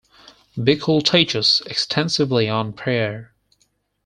Bickle teaches extensively on prayer.